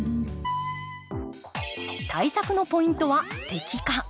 対策のポイントは摘果。